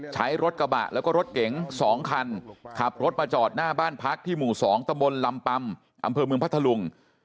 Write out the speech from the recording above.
ใช้รถกระบะแล้วก็รถเก๋ง๒คันขับรถมาจอดหน้าบ้านพักที่หมู่๒ตะบนลำปำอำเภอเมืองพัทธลุง